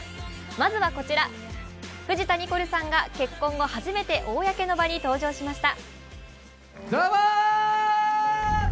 まずはこちら、藤田ニコルさんが結婚後初めて公の場に登場しました。